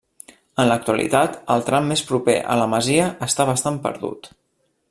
En l'actualitat, el tram més proper a la masia està bastant perdut.